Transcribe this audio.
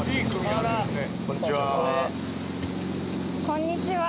こんにちは。